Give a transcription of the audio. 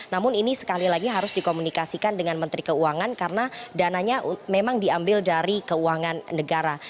namun ini sekali lagi harus dikomunikasikan dengan menteri keuangan karena dananya memang diambil dari keuangan negara